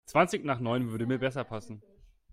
Zwanzig nach neun würde mir besser passen.